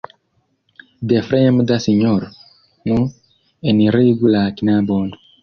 De fremda sinjoro? Nu, enirigu la knabon.